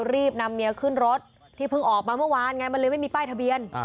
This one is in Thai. รีบนำเมียขึ้นรถที่เพิ่งออกมาเมื่อวานไงมันเลยไม่มีป้ายทะเบียน